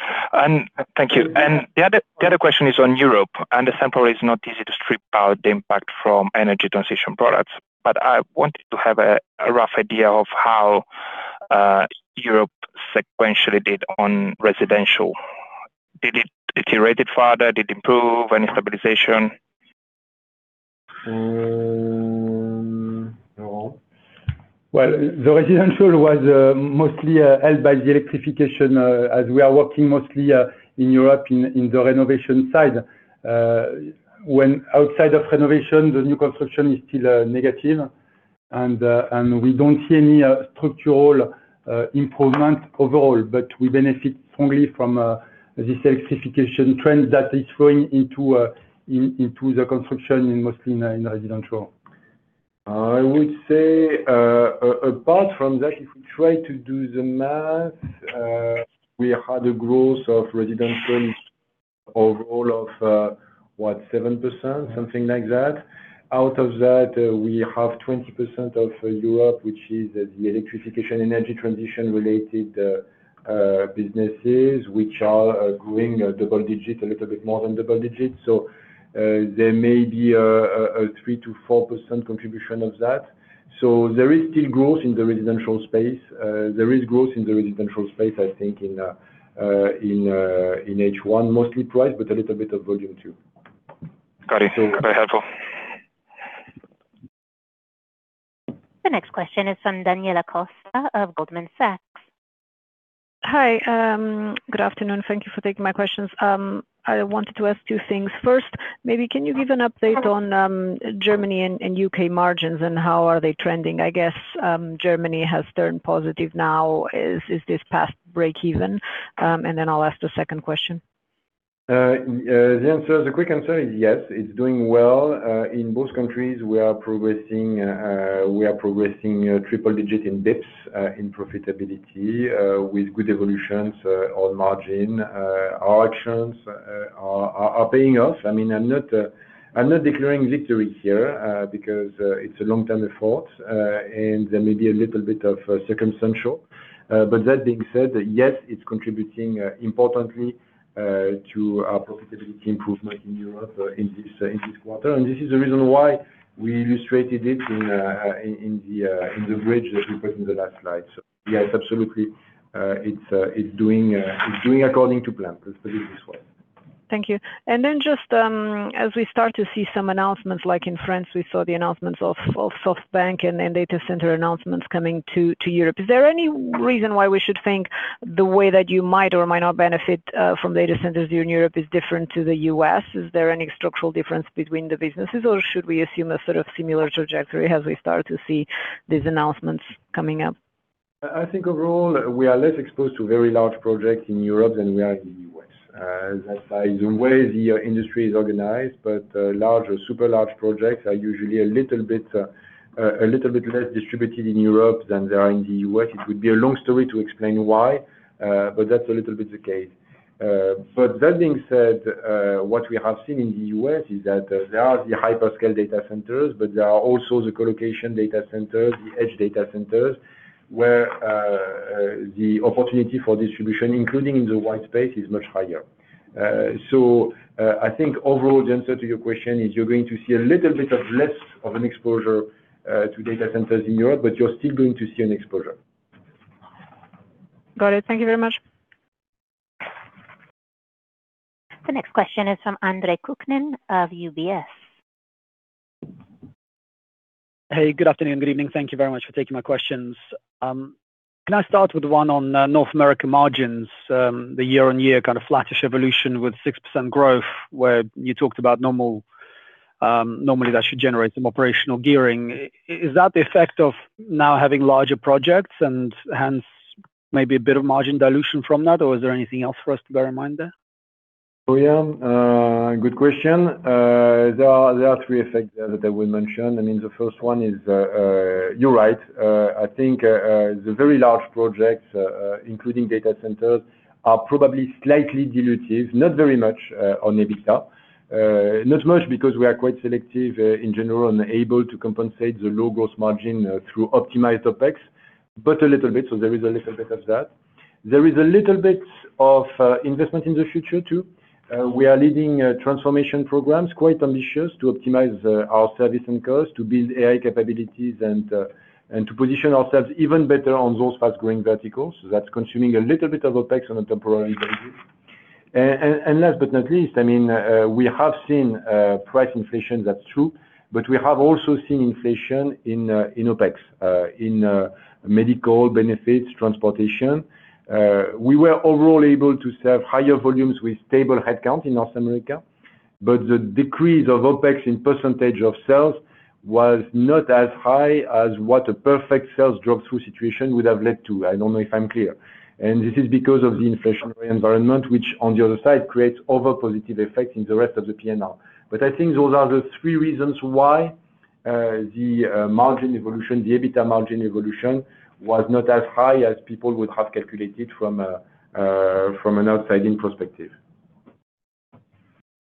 Thank you. The other question is on Europe. I understand probably it's not easy to strip out the impact from energy transition products, but I wanted to have a rough idea of how Europe sequentially did on residential. Did it deteriorate further? Did it improve? Any stabilization? Laurent? Well, the residential was mostly held by the electrification, as we are working mostly in Europe in the renovation side. When outside of renovation, the new construction is still negative. We don't see any structural improvement overall, but we benefit strongly from this electrification trend that is going into the construction in mostly in residential. I would say, apart from that, if we try to do the math, we had a growth of residential overall of what, 7%, something like that. Out of that, we have 20% of Europe, which is the electrification energy transition related businesses, which are growing double-digit, a little bit more than double-digits. There may be a 3%-4% contribution of that. There is still growth in the residential space. There is growth in the residential space, I think in H1 mostly price, but a little bit of volume, too. Got it. Very helpful. The next question is from Daniela Costa of Goldman Sachs. Hi. Good afternoon. Thank you for taking my questions. I wanted to ask two things. First, maybe can you give an update on Germany and U.K. margins and how are they trending? I guess Germany has turned positive now. Is this past break-even? I'll ask the second question. The quick answer is yes, it's doing well. In both countries, we are progressing triple-digit in basis points in profitability, with good evolutions on margin. Our actions are paying off. I'm not declaring victory here because it's a long-term effort, there may be a little bit of circumstantial. That being said, yes, it's contributing importantly to our profitability improvement in Europe in this quarter. This is the reason why we illustrated it in the bridge that we put in the last slide. Yes, absolutely, it's doing according to plan. Let's put it this way. Thank you. Just as we start to see some announcements, like in France, we saw the announcements of SoftBank and data center announcements coming to Europe. Is there any reason why we should think the way that you might or might not benefit from data centers in Europe is different to the U.S.? Is there any structural difference between the businesses, or should we assume a sort of similar trajectory as we start to see these announcements coming up? I think overall, we are less exposed to very large projects in Europe than we are in the U.S. That's by the way the industry is organized, large or super large projects are usually a little bit less distributed in Europe than they are in the U.S. It would be a long story to explain why, that's a little bit the case. That being said, what we have seen in the U.S. is that there are the hyperscale data centers, there are also the co-location data centers, the edge data centers, where the opportunity for distribution, including in the white space, is much higher. I think overall, the answer to your question is you're going to see a little bit of less of an exposure to data centers in Europe, but you're still going to see an exposure. Got it. Thank you very much. The next question is from Andre Kukhnin of UBS. Hey, good afternoon. Good evening. Thank you very much for taking my questions. Can I start with one on North America margins, the year-over-year kind of flattish evolution with 6% growth, where you talked about normally that should generate some operational gearing. Is that the effect of now having larger projects and hence maybe a bit of margin dilution from that? Is there anything else for us to bear in mind there? William, good question. There are three effects there that I will mention. The first one is, you're right. I think the very large projects, including data centers, are probably slightly dilutive, not very much on EBITDA. Not much because we are quite selective in general and able to compensate the low gross margin through optimized OPEX, a little bit, there is a little bit of that. There is a little bit of investment in the future, too. We are leading transformation programs, quite ambitious to optimize our servicing cost, to build AI capabilities and to position ourselves even better on those fast-growing verticals. That's consuming a little bit of OPEX on a temporary basis. Last but not least, we have seen price inflation, that's true, we have also seen inflation in OPEX, in medical benefits, transportation. We were overall able to serve higher volumes with stable headcount in North America, the decrease of OPEX in percentage of sales was not as high as what a perfect sales drop-through situation would have led to. I don't know if I'm clear. This is because of the inflationary environment, which on the other side creates overpositive effects in the rest of the P&L. I think those are the three reasons why the EBITDA margin evolution was not as high as people would have calculated from an outside-in perspective.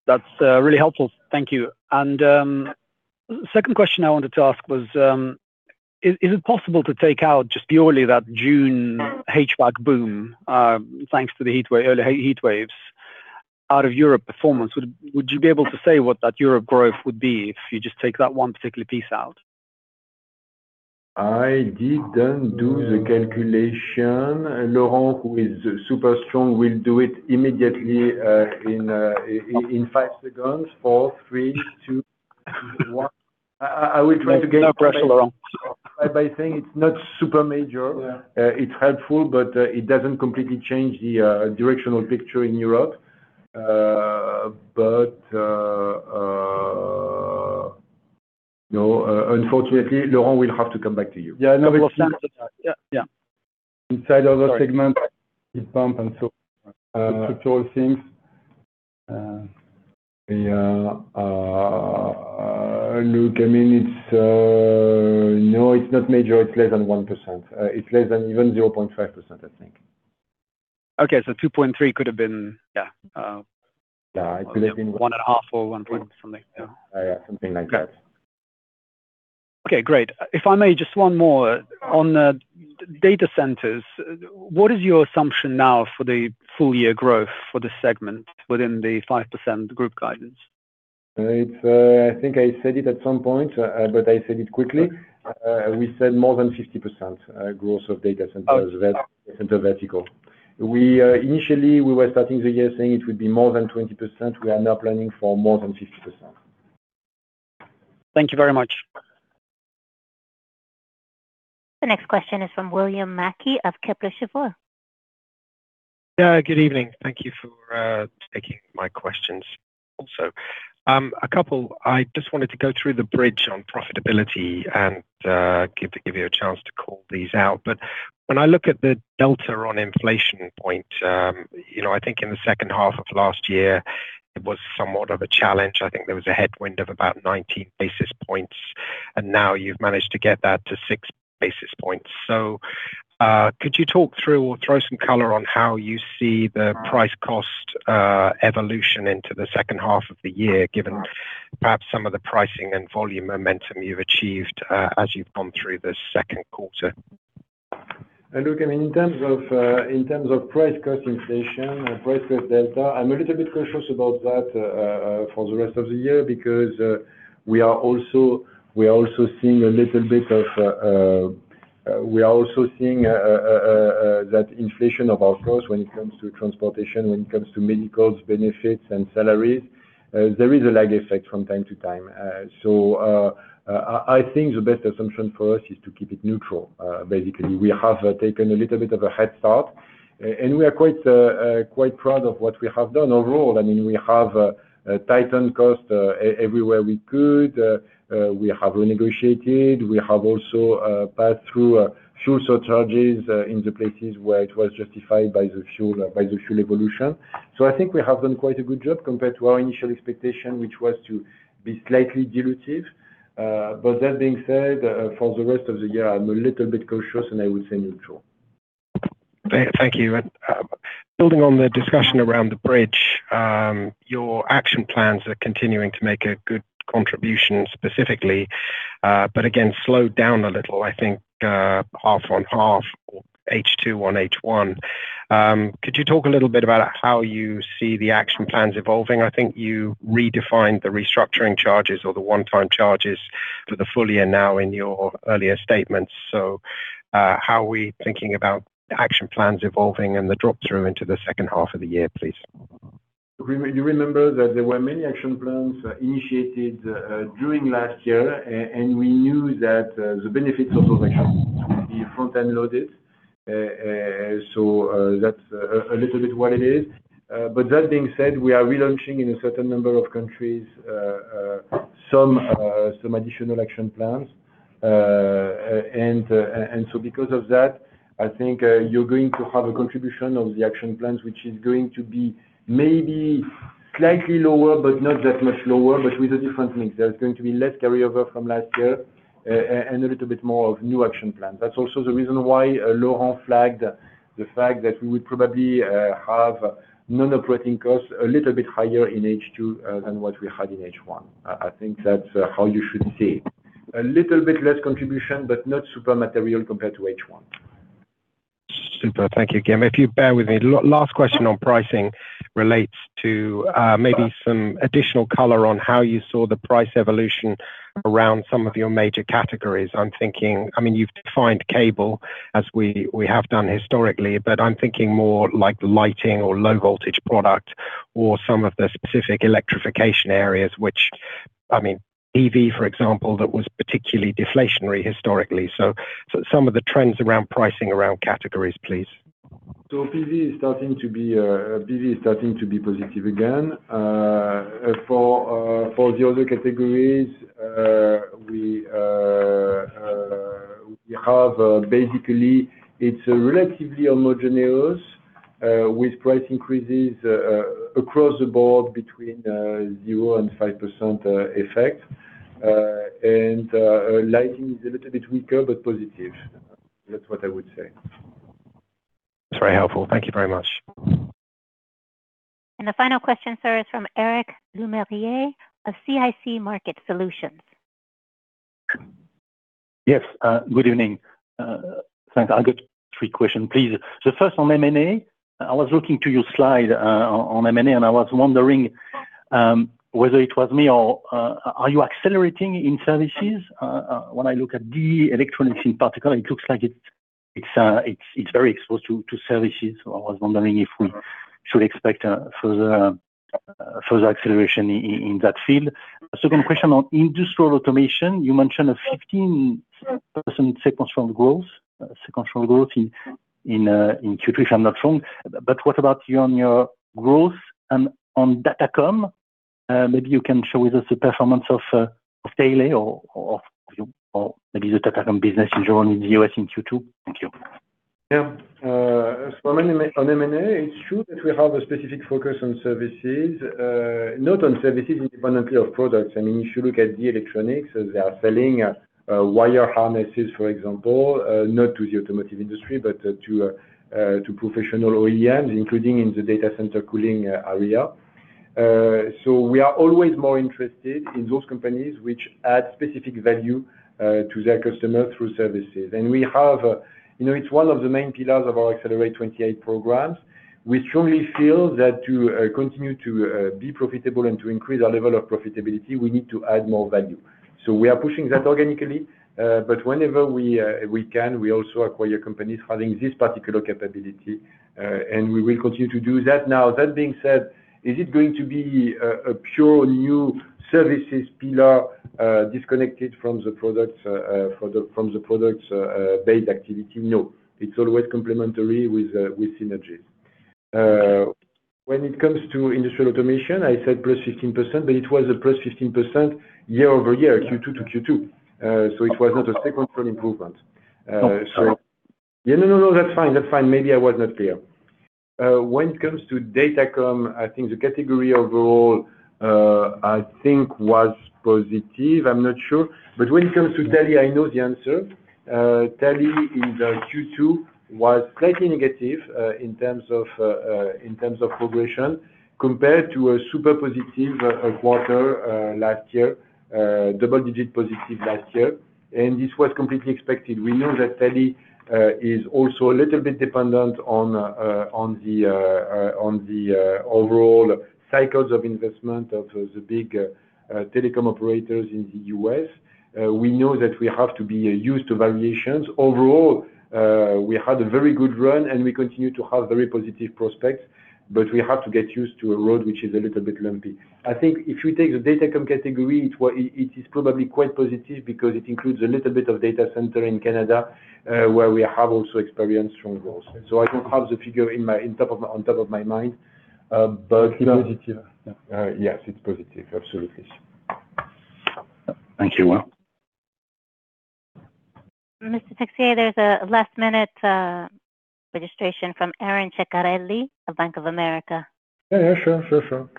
That's really helpful. Thank you. Second question I wanted to ask was, is it possible to take out just purely that June HVAC boom, thanks to the early heatwaves out of Europe performance? Would you be able to say what that Europe growth would be if you just take that one particular piece out? I didn't do the calculation. Laurent, who is super strong, will do it immediately in five seconds. Four, three, two, one. No pressure, Laurent. by saying it's not super major. Yeah. It's helpful, but it doesn't completely change the directional picture in Europe. Unfortunately, Laurent will have to come back to you. Yeah. No concerns with that. Yeah. Inside other segments, heat pump structural things. Look, it's not major. It's less than 1%. It's less than even 0.5%, I think. Okay. 2.3 could have been. Yeah. Yeah. It could have been. One and a half or one point something. Yeah. Yeah, something like that. Okay. Great. If I may, just one more. On data centers, what is your assumption now for the full-year growth for the segment within the 5% group guidance? I think I said it at some point, but I said it quickly. We said more than 50% growth of data centers. Oh data center vertical. Initially, we were starting the year saying it would be more than 20%. We are now planning for more than 50%. Thank you very much. The next question is from William Mackie of Kepler Cheuvreux. Good evening. Thank you for taking my questions also. A couple. I just wanted to go through the bridge on profitability and give you a chance to call these out. When I look at the delta on inflation point, I think in the second half of last year, it was somewhat of a challenge. I think there was a headwind of about 19 basis points, and now you've managed to get that to 6 basis points. Could you talk through or throw some color on how you see the price cost evolution into the second half of the year, given perhaps some of the pricing and volume momentum you've achieved as you've gone through the second quarter? Look, in terms of price cost inflation or price cost delta, I'm a little bit cautious about that for the rest of the year because we are also seeing that inflation of our costs when it comes to transportation, when it comes to medical benefits and salaries. There is a lag effect from time to time. I think the best assumption for us is to keep it neutral, basically. We have taken a little bit of a head start, and we are quite proud of what we have done overall. We have tightened costs everywhere we could. We have renegotiated. We have also passed through fuel surcharges in the places where it was justified by the fuel evolution. I think we have done quite a good job compared to our initial expectation, which was to be slightly dilutive. That being said, for the rest of the year, I'm a little bit cautious, and I would say neutral. Thank you. Building on the discussion around the bridge, your action plans are continuing to make a good contribution specifically, but again, slowed down a little, I think, half on half or H2 on H1. Could you talk a little bit about how you see the action plans evolving? I think you redefined the restructuring charges or the one-time charges for the full-year now in your earlier statements. How are we thinking about action plans evolving and the drop-through into the second half of the year, please? You remember that there were many action plans initiated during last year, and we knew that the benefits of those actions would be front-end loaded. That's a little bit what it is. That being said, we are relaunching in a certain number of countries some additional action plans. Because of that, I think you're going to have a contribution of the action plans, which is going to be maybe slightly lower, but not that much lower, but with a different mix. There's going to be less carryover from last year and a little bit more of new action plans. That's also the reason why Laurent flagged the fact that we would probably have non-operating costs a little bit higher in H2 than what we had in H1. I think that's how you should see it. A little bit less contribution, but not super material compared to H1. Super. Thank you. Again, if you bear with me, last question on pricing relates to maybe some additional color on how you saw the price evolution around some of your major categories. You've defined cable as we have done historically, but I'm thinking more like lighting or low-voltage product or some of the specific electrification areas, EV, for example, that was particularly deflationary historically. Some of the trends around pricing around categories, please. PV is starting to be positive again. For the other categories, basically it's relatively homogeneous, with price increases across the board between 0% and 5% effect. Lighting is a little bit weaker but positive. That's what I would say. It's very helpful. Thank you very much. The final question, sir, is from Eric Lemarié of CIC Market Solutions. Yes. Good evening. Thanks. I got three questions, please. The first on M&A. I was looking to your slide on M&A, I was wondering whether it was me or are you accelerating in services? When I look at the electronics in particular, it looks like it's very exposed to services. I was wondering if we should expect a further acceleration in that field. A second question on industrial automation. You mentioned a 15% sequential growth in Q3, if I'm not wrong. What about on your growth and on Datacom? Maybe you can show us the performance of Tele or maybe the Datacom business in general in the U.S. in Q2. Thank you. As for M&A, on M&A, it's true that we have a specific focus on services. Not on services independently of products. If you look at the electronics, they are selling wire harnesses, for example, not to the automotive industry, but to professional OEMs, including in the data center cooling area. We are always more interested in those companies which add specific value to their customer through services. It's one of the main pillars of our Accelerate '28 programs. We strongly feel that to continue to be profitable and to increase our level of profitability, we need to add more value. We are pushing that organically. Whenever we can, we also acquire companies having this particular capability, and we will continue to do that. That being said, is it going to be a pure new services pillar, disconnected from the products-based activity? No. It's always complementary with synergies. When it comes to industrial automation, I said plus 15%, but it was a plus 15% year-over-year, Q2-Q2. It was not a sequential improvement. Sorry. Yeah, no. That's fine. Maybe I was not clear. When it comes to Datacom, I think the category overall, I think was positive. I'm not sure. When it comes to Tele, I know the answer. Tele in Q2 was slightly negative in terms of progression compared to a super positive quarter last year, double-digit positive last year. This was completely expected. We know that Tele is also a little bit dependent on the overall cycles of investment of the big telecom operators in the U.S. We know that we have to be used to valuations. Overall, we had a very good run, and we continue to have very positive prospects, but we have to get used to a road which is a little bit lumpy. I think if we take the Datacom category, it is probably quite positive because it includes a little bit of data center in Canada, where we have also experienced strong growth. I don't have the figure on top of my mind. It's positive. Yes, it's positive. Absolutely. Thank you. Mr. Texier, there's a last-minute registration from Aron Ceccarelli of Bank of America. Yeah. Sure.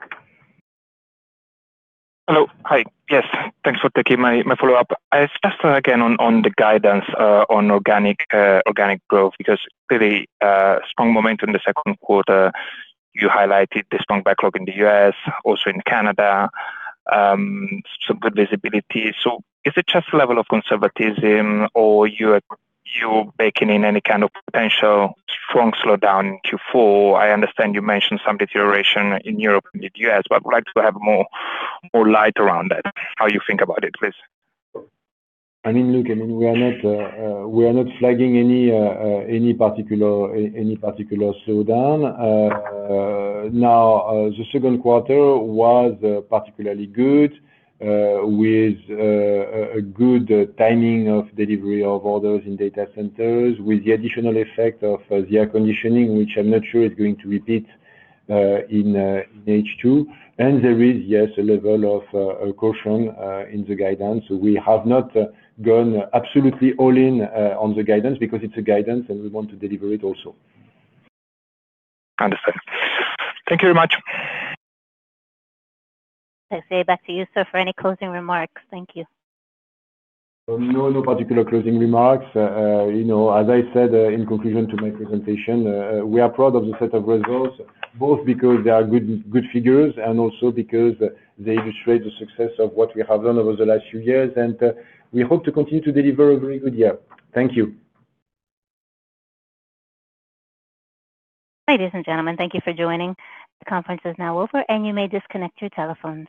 Hello. Hi. Yes. Thanks for taking my follow-up. Just again on the guidance on organic growth. Clearly strong momentum in the second quarter. You highlighted the strong backlog in the U.S., also in Canada, some good visibility. Is it just level of conservatism or you are baking in any kind of potential strong slowdown in Q4? I understand you mentioned some deterioration in Europe and the U.S., would like to have more light around that, how you think about it, please. Look, we are not flagging any particular slowdown. The second quarter was particularly good, with a good timing of delivery of orders in data centers with the additional effect of the air conditioning, which I'm not sure is going to repeat in H2. There is, yes, a level of caution in the guidance. We have not gone absolutely all in on the guidance because it's a guidance, and we want to deliver it also. Understand. Thank you very much. Texier, back to you, sir, for any closing remarks. Thank you. No particular closing remarks. As I said in conclusion to my presentation, we are proud of the set of results, both because they are good figures and also because they illustrate the success of what we have done over the last few years, and we hope to continue to deliver a very good year. Thank you. Ladies and gentlemen, thank you for joining. The conference is now over, and you may disconnect your telephones.